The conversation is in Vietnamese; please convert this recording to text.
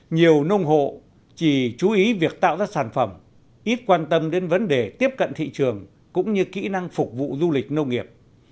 nhiều nông hộ chỉ chú ý việc tạo ra sản phẩm ít quan tâm đến vấn đề tiếp cận thị trường cũng như kỹ năng phục vụ du lịch nông nghiệp